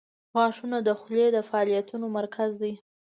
• غاښونه د خولې د فعالیتونو مرکز دي.